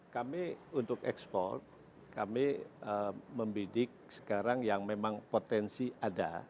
kami untuk ekspor kami membidik sekarang yang memang potensi ada